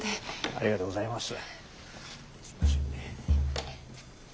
ありがとうございます。